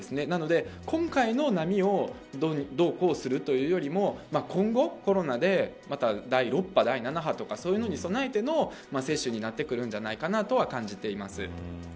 なので、今回の波をどうこうするというよりも今後、コロナで第６波とか第７波とか、それに備えての接種になるんじゃないかなと感じています。